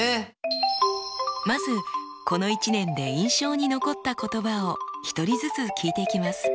まずこの１年で印象に残った言葉を１人ずつ聞いていきます。